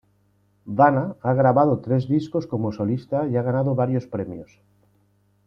Vanna ha grabado tres discos como solista y ha ganado varios premios.